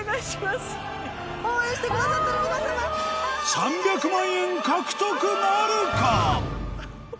３００万円獲得なるか？